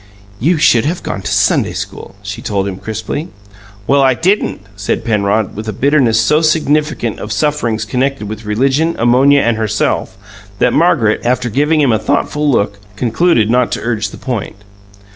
"You should have gone to Sunday school," she told him crisply. "Well, I didn't!" said Penrod, with a bitterness so significant of sufferings connected with religion, ammonia, and herself, that Margaret, after giving him a thoughtful look, concluded not to urge the point.